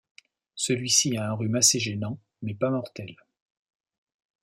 Celui-ci a un rhume assez gênant mais pas mortel.